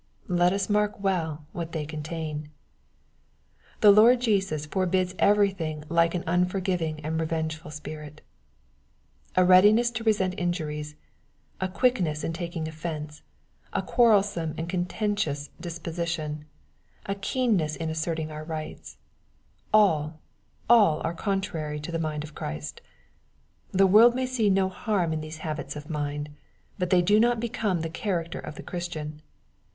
Let us mark well what they contain. The Lord Jesus forbids everything like an unforgiving and revengeful spirit A readiness to resent injuries, — a quickness in taking offence, — ^a quarrelsome and con tentious disposition, — a keenness in asserting our rights, — all, all are contrary to the mind of Christ. The world may see no harm in these habits of mind. But they do not become the character of the Christian.